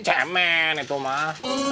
cemen itu mah